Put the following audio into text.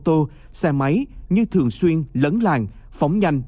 điều khiển phương tiện xe ô tô xe máy như thường xuyên lấn làng phóng nhanh